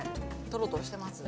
トロトロしてます？